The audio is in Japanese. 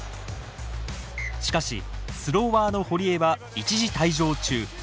しかし、スローワーの堀江は一時退場中。